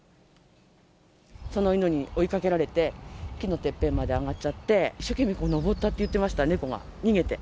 その犬に追いかけられて、木のてっぺんまで上がっちゃって、一生懸命登ったって言ってました、猫が逃げて。